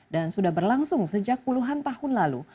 dan sudah berlangsung sejak puluhan tahun lalu